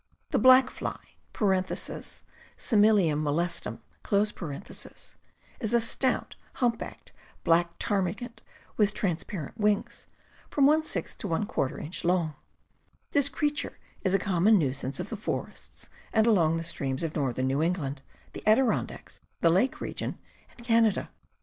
The black fly (Similium molestum) is a stout, humpbacked, black termagent with transparent wings, from one sixth to one quarter inch long. This creature is a common nuisance of the forests and along the streams of northern New England, the Adirondacks, the Lake region, and Canada.